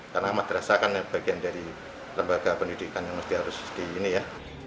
karena madrasa kan bagian dari lembaga pendidikan yang harus di sini ya